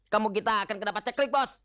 kamu kita akan kedapat ceklik bos